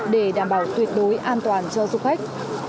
để đảm bảo tuyệt đối an toàn cho du khách